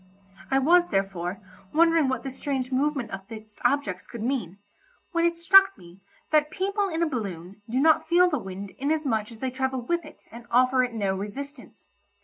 I was, therefore, wondering what this strange movement of fixed objects could mean, when it struck me that people in a balloon do not feel the wind inasmuch as they travel with it and offer it no resistance.